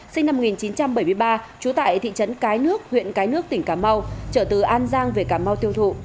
sinh năm một nghìn chín trăm bảy mươi ba trú tại thị trấn cái nước huyện cái nước tỉnh cà mau trở từ an giang về cà mau tiêu thụ